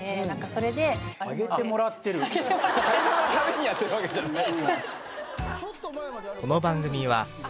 滝沢さんのためにやってるわけじゃない。